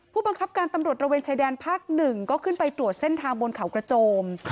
ผู้บังคับการตำรวจระเวนชายแดนภาค๑ก็ขึ้นไปตรวจเส้นทางบนเขากระโจม